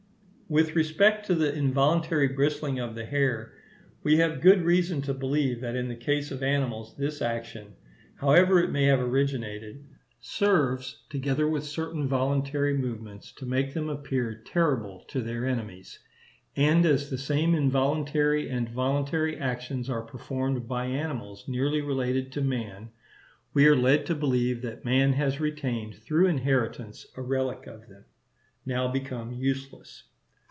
With respect to the involuntary bristling of the hair, we have good reason to believe that in the case of animals this action, however it may have originated, serves, together with certain voluntary movements, to make them appear terrible to their enemies; and as the same involuntary and voluntary actions are performed by animals nearly related to man, we are led to believe that man has retained through inheritance a relic of them, now become useless.